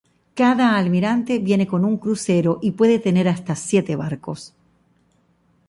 Cada Almirante viene con un crucero y puede tener hasta siete barcos.